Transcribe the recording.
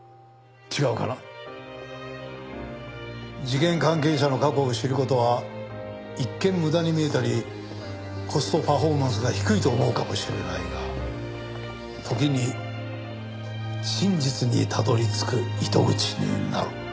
事件関係者の過去を知る事は一見無駄に見えたりコストパフォーマンスが低いと思うかもしれないが時に真実にたどり着く糸口になる。